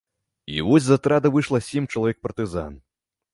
І вось з атрада выйшла сем чалавек партызан.